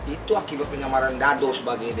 itu akibat penyamaran dado sebagainya